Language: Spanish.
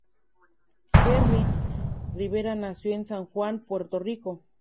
Jerry Rivera nació en San Juan, Puerto Rico.